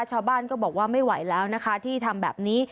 ชาวบ้านก็บอกว่าไม่ไหวแล้วนะคะที่ทำแบบนี้